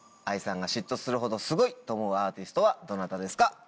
ＡＩさんが嫉妬するほど「すごい！」と思うアーティストはどなたですか？